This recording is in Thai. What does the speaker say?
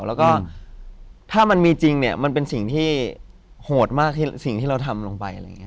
แล้วก็ถ้ามันมีจริงเนี่ยมันเป็นสิ่งที่โหดมากสิ่งที่เราทำลงไปอะไรอย่างนี้